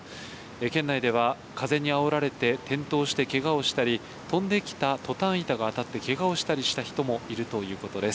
県内では風にあおられて、転倒してけがをしたり、飛んできたトタン板が当たってけがをしたりした人もいるということです。